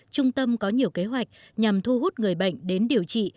trung tâm có nhiều kế hoạch nhằm thu hút người bệnh đến điều trị